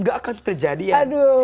gak akan terjadian